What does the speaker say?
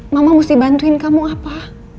mama mesti bantuin kamu apa